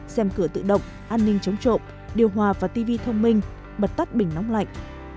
xem cửa tự động an ninh chống trộm điều hòa và tv thông minh bật tắt bình nóng lạnh